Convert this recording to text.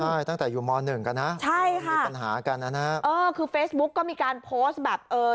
ใช่ตั้งแต่อยู่มหนึ่งกันนะใช่ค่ะมีปัญหากันนะฮะเออคือเฟซบุ๊กก็มีการโพสต์แบบเออ